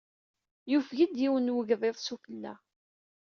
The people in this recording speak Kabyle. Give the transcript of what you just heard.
Yufeg-d yiwen n wegḍiḍ sufella.